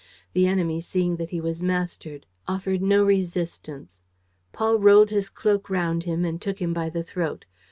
The enemy, seeing that he was mastered, offered no resistance. Paul rolled his cloak round him and took him by the throat.